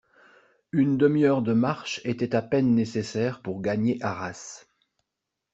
Une demi-heure de marche était à peine nécessaire pour gagner Arras.